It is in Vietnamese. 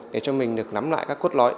để cho mình được nắm lại các cốt lõi